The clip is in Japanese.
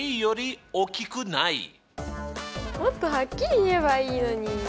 もっとはっきり言えばいいのに！